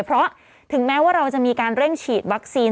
เพราะถึงแม้ว่าเราจะมีการเร่งฉีดวัคซีน